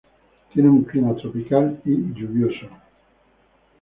Tiene un clima tropical y lluvioso.